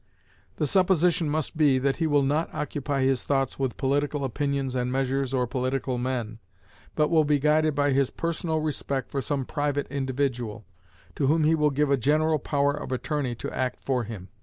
The supposition must be, that he will not occupy his thoughts with political opinions and measures or political men, but will be guided by his personal respect for some private individual, to whom he will give a general power of attorney to act for him.